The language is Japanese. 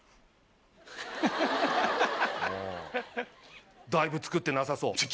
あだいぶ作ってなさそう。